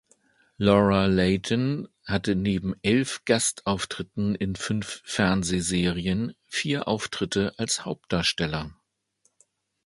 Laura Leighton hatte neben elf Gastauftritten in fünf Fernsehserien vier Auftritte als Hauptdarsteller.